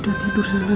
udah tidur sana